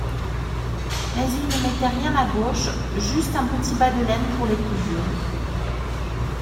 mais il ne mettait rien à gauche, juste un petit bas de laine pour les coups durs.